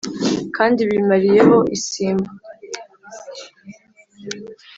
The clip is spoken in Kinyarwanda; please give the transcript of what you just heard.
kandi bimariye ho isimbo